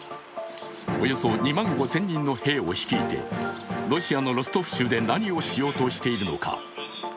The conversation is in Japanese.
およそ２万５０００人の兵を率いてロシアのロストフ州で何をしようとしているのか。